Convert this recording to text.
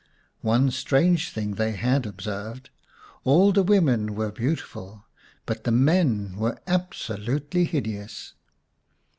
One strange thing they had observed ; all the women were beautiful, but the men were absolutely hideous.